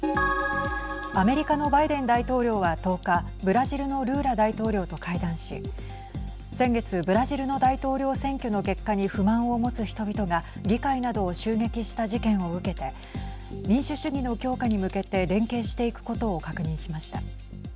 アメリカのバイデン大統領は１０日ブラジルのルーラ大統領と会談し先月ブラジルの大統領選挙の結果に不満を持つ人々が議会などを襲撃した事件を受けて民主主義の強化に向けて連携していくことを確認しました。